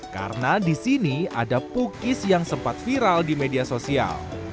karena disini ada pukis yang sempat viral di media sosial